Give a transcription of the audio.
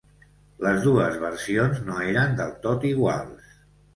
Les dues versions no eren del tot iguals.